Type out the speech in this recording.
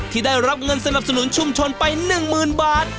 ที่ได้รับเงินสนับสนุนชุมชนไป๑๐๐๐บาท